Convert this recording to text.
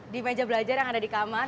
di meja belajar yang ada di kamar